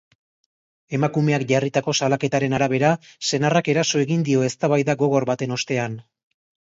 Emakumeak jarritako salaketaren arabera, senarrak eraso egin dio eztabaida gogor baten ostean.